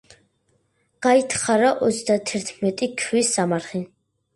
გაითხარა ოცდათერთმეტი ქვის სამარხი.